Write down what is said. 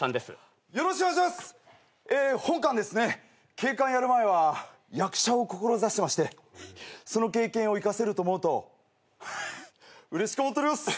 警官やる前は役者を志してましてその経験を生かせると思うとハッうれしく思っております。